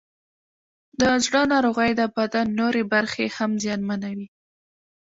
د زړه ناروغۍ د بدن نورې برخې هم زیانمنوي.